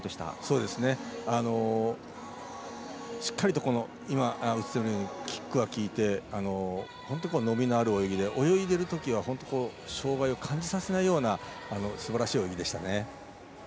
しっかりとキックがきいて本当に伸びのある泳ぎで泳いでいるときは障がいを感じさせないようなすばらしい泳ぎでした。